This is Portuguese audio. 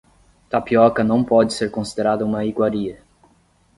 Tapioca não pode ser considerada uma iguaria.